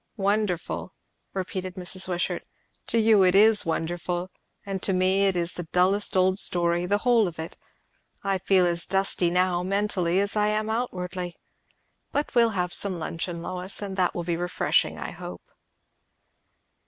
"Wonderful!" repeated Mrs. Wishart. "To you it is wonderful. And to me it is the dullest old story, the whole of it. I feel as dusty now, mentally, as I am outwardly. But we'll have some luncheon, Lois, and that will be refreshing, I hope."